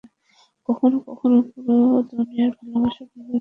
কখনও কখনও পুরো দুনিয়ার ভালবাসা, পর্যাপ্ত পরিমাণে হয় না, ওম।